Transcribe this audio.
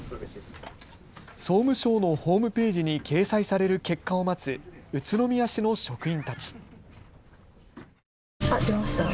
総務省のホームページに掲載される結果を待つ宇都宮市の職員たち。